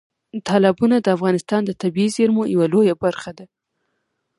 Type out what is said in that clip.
تالابونه د افغانستان د طبیعي زیرمو یوه لویه برخه ده.